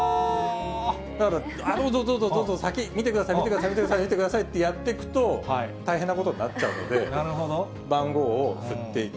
だから、どうぞ、どうぞ、先、見てください、見てください、見てくださいってやってくと、大変なことになっちゃうので、番号を振っていく。